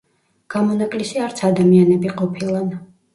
გამონაკლისი არც ადამიანები ყოფილან.